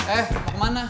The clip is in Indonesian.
eh mau ke mana